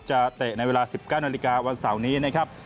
เตะในเวลา๑๙นาฬิกาวันเสาร์นี้นะครับ